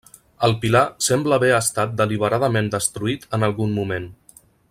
El pilar sembla haver estat deliberadament destruït en algun moment.